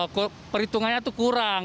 karena perhitungannya itu kurang